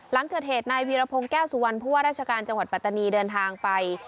หลังเกิดเหตุนายวีรพงศ์แก้วสุวรรณผู้ว่าราชการจังหวัดปัตตานีเดินทางไป